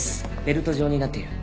ベルト状になっている。